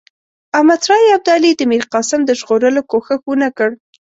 احمدشاه ابدالي د میرقاسم د ژغورلو کوښښ ونه کړ.